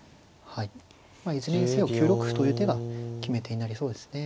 まあいずれにせよ９六歩という手が決め手になりそうですね。